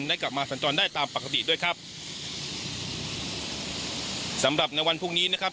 ได้กลับมาสัญจรได้ตามปกติด้วยครับสำหรับในวันพรุ่งนี้นะครับ